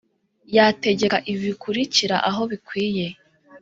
yategeka ibi bikurikira aho bikwiye.